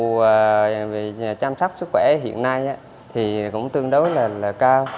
về chăm sóc sức khỏe hiện nay thì cũng tương đối là cao